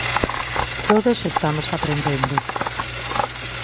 Todos estamos aprendendo.